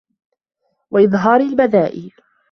وَإِظْهَارِ الْبَذَاءِ